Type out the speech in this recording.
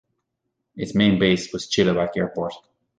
Its main base was Chilliwack Airport.